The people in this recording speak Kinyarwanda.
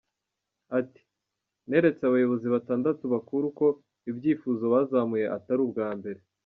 Ati “Neretse abayobozi batandatu bakuru ko ibyifuzo bazamuye atari ubwa mbere.